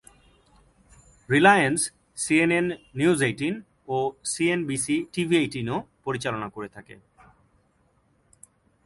Reliance "CNN News eighteen" ও "সিএনবিসি-টিভিএইটিন"ও পরিচালনা করে থাকে।